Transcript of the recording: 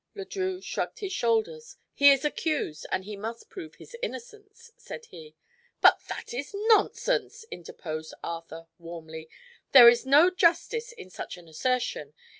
Le Drieux shrugged his shoulders. "He is accused, and he must prove his innocence," said he. "But that is nonsense!" interposed Arthur warmly. "There is no justice in such an assertion.